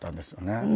うん。